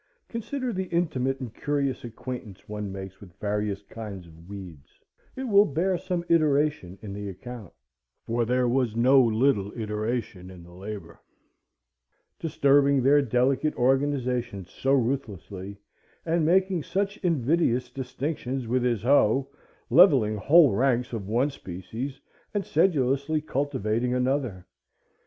Consider the intimate and curious acquaintance one makes with various kinds of weeds,—it will bear some iteration in the account, for there was no little iteration in the labor,—disturbing their delicate organizations so ruthlessly, and making such invidious distinctions with his hoe, levelling whole ranks of one species, and sedulously cultivating another.